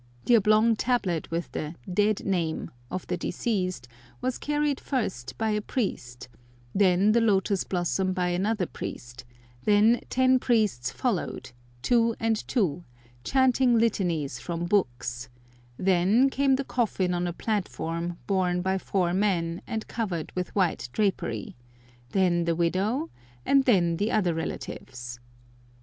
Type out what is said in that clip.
The oblong tablet with the "dead name" of the deceased was carried first by a priest, then the lotus blossom by another priest, then ten priests followed, two and two, chanting litanies from books, then came the coffin on a platform borne by four men and covered with white drapery, then the widow, and then the other relatives.